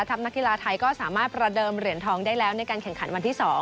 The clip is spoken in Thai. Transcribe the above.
นักกีฬาไทยก็สามารถประเดิมเหรียญทองได้แล้วในการแข่งขันวันที่๒